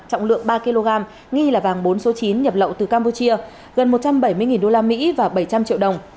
trọng lượng ba kg nghi là vàng bốn số chín nhập lậu từ campuchia gần một trăm bảy mươi usd và bảy trăm linh triệu đồng